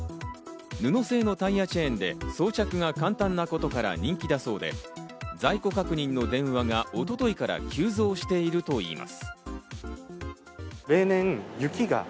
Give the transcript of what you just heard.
布製のタイヤチェーンで、装着が簡単なことから、人気だそうで、在庫確認の電話が一昨日から急増しているといいます。